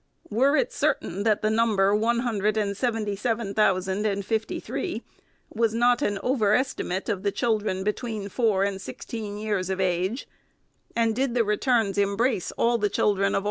Were it certain that the number, one hundred and seventy seven thousand and fifty three, was not an over estimate of the children between four and sixteen years of age, and did the returns embrace all the children of FIRST ANNUAL REPORT.